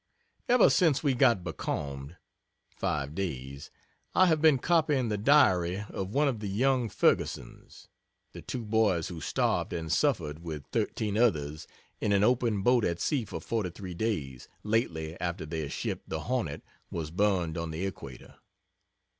Ever since we got becalmed five days I have been copying the diary of one of the young Fergusons (the two boys who starved and suffered, with thirteen others, in an open boat at sea for forty three days, lately, after their ship, the "Hornet," was burned on the equator.)